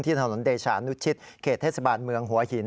ถนนเดชานุชิตเขตเทศบาลเมืองหัวหิน